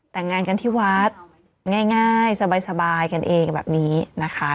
แต่งงานกันที่วัดง่ายสบายกันเองแบบนี้นะคะ